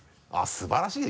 素晴らしいね。